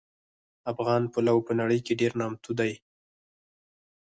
افغان پلو په نړۍ کې ډېر نامتو دي